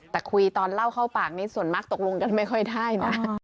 แต่คุยตอนเล่าเข้าปากนี้ส่วนมากตกลงกันไม่ค่อยได้นะ